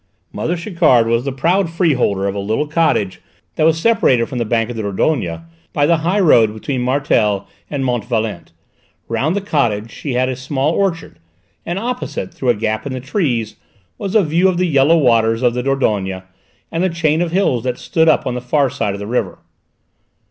Mother Chiquard was the proud free holder of a little cottage that was separated from the bank of the Dordogne by the high road between Martel and Montvalent. Round the cottage she had a small orchard, and opposite, through a gap in the trees, was a view of the yellow waters of the Dordogne and the chain of hills that stood up on the far side of the river.